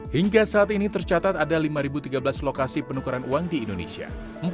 hingga saat ini tercatat ada lima tiga belas lokasi penukaran uang di indonesia